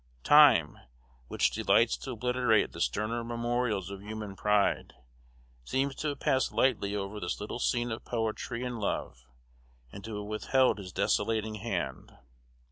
Time, which delights to obliterate the sterner memorials of human pride, seems to have passed lightly over this little scene of poetry and love, and to have withheld his desolating hand.